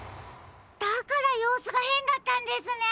だからようすがへんだったんですね！